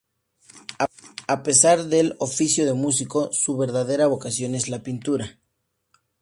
A pesar del oficio de músico, su verdadera vocación es la pintura.